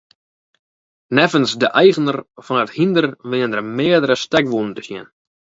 Neffens de eigener fan it hynder wiene der meardere stekwûnen te sjen.